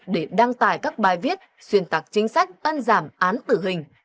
để đăng tài các bài viết xuyên tạc chính sách ân giảm án tử hình